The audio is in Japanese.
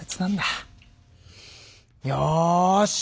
よし！